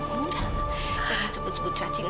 jangan sebut sebut cacing